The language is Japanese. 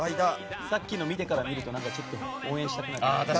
さっきの見てから見るとちょっと応援したくなる。